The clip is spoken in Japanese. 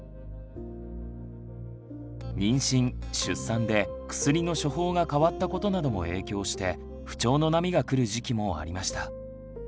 妊娠出産で薬の処方が変わったことなども影響して不調の波が来る時期もありました。